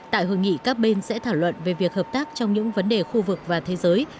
tại hội nghị các bên sẽ thảo luận về việc hợp tác trong những vấn đề khu vực và thế giới